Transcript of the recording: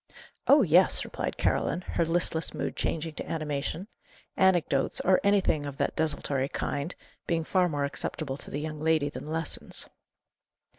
"Oh, yes!" replied Caroline, her listless mood changing to animation; anecdotes, or anything of that desultory kind, being far more acceptable to the young lady than lessons.